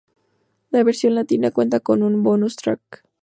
La versión latina cuenta con un "Bonus Track".